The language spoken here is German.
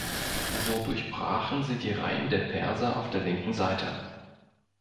So durchbrachen sie die Reihen der Perser auf der linken Seite.